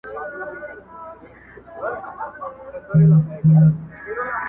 نه په ژبه پوهېدله د مېږیانو.!